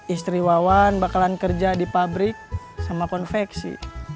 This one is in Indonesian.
istri wawan bakalan kerja di pabrik sama konveksi